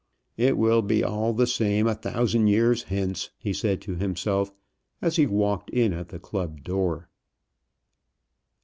"It will be all the same a thousand years hence," he said to himself as he walked in at the club door.